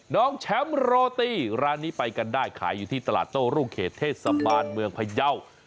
น้องแชมป์โรตี้ร้านนี้ไปกันได้ขายอยู่ที่ตลาดโต้รุ่งเขตเทศบาลเมืองพยาว